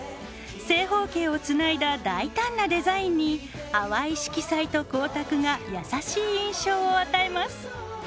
正方形をつないだ大胆なデザインに淡い色彩と光沢が優しい印象を与えます。